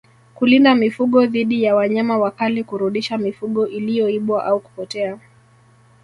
Kulinda mifugo dhidi ya wanyama wakali kurudisha mifugo iliyoibiwa au kupotea